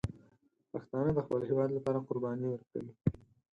پښتانه د خپل هېواد لپاره قرباني ورکوي.